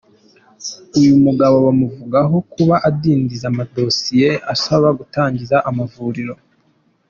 Uyu mugabo bamuvugaho kuba adindiza amadosiye asaba gutangiza amavuriro.